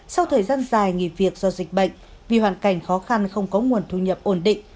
sau thời gian dài nghỉ việc do dịch bệnh vì hoàn cảnh khó khăn không có nguồn thu nhập ổn định